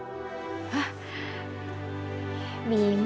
saya akan merindukanmu